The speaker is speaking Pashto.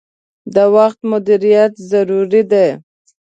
د وخت مدیریت ضروری دي.